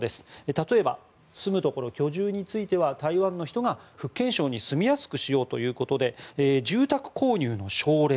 例えば、住むところ居住については台湾の人が福建省に住みやすくしようということで住宅購入の奨励。